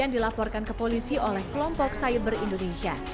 yang dilaporkan ke polisi oleh kelompok cyber indonesia